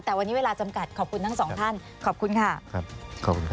แต่วันนี้เวลาจำกัดขอบคุณทั้งสองท่านขอบคุณค่ะครับขอบคุณครับ